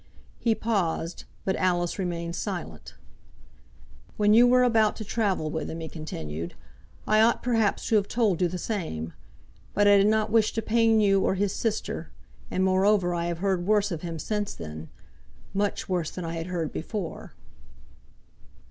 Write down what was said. He paused, but Alice remained silent. "When you were about to travel with him," he continued, "I ought perhaps to have told you the same. But I did not wish to pain you or his sister; and, moreover, I have heard worse of him since then, much worse than I had heard before."